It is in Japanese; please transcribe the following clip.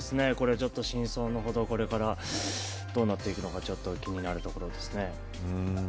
真相のほど、これからどうなっていくのか気になるところですね。